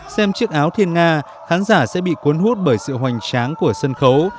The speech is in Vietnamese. xem chiếc áo thiên nga khán giả sẽ bị cuốn hút bởi sự hoành tráng của sân khấu